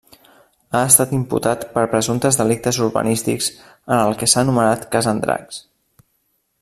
Ha estat imputat per presumptes delictes urbanístics en el que s'ha anomenat Cas Andratx.